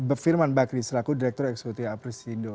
eh firman bakri selaku direktur eksekutif apri sido